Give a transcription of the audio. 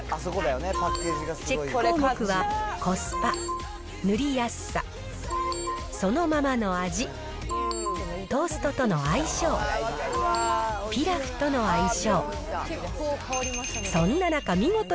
チェック項目は、コスパ、塗りやすさ、そのままの味、トーストとの相性、ピラフとの相性。